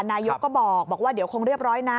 นายกก็บอกว่าเดี๋ยวคงเรียบร้อยนะ